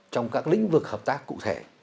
trong các lĩnh vực hợp tác cụ thể